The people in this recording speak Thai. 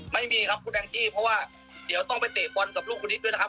ไม่มีครับคุณแองจี้เพราะว่าเดี๋ยวต้องไปเตะบอลกับลูกคุณนิดด้วยนะครับ